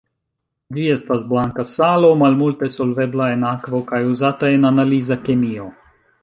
Ĝi estas blanka salo, malmulte solvebla en akvo kaj uzata en analiza kemio.